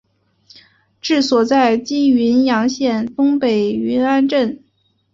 治所在今云阳县东北云安镇。